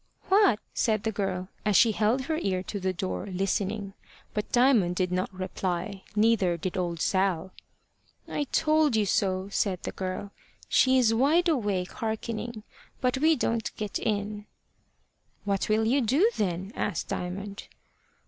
"What?" said the girl, as she held her ear to the door listening. But Diamond did not reply. Neither did old Sal. "I told you so," said the girl. "She is wide awake hearkening. But we don't get in." "What will you do, then?" asked Diamond.